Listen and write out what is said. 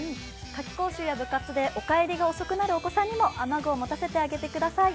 夏期講習や部活でお帰りが遅くなるお子さんにも雨具を持たせてあげてください。